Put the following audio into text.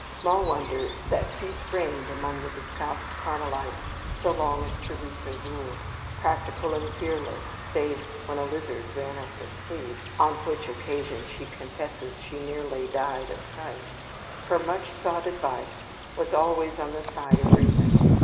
'" Small wonder that peace reigned among the discalced Carmelites so long as Teresa ruled. Practical and fearless (save when a lizard ran up her sleeve, on which occasion she confesses she nearly "died of fright,") her much sought advice was always on the side of reason.